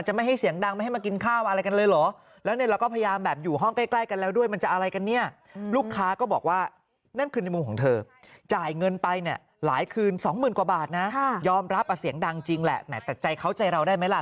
จะไม่ให้เสียงดังไม่ให้มากินข้าวอะไรกันเลยเหรอ